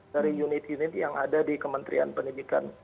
dari unit unit yang ada di kementerian pendidikan